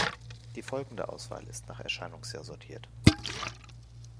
Die folgende Auswahl ist nach Erscheinungsjahr sortiert.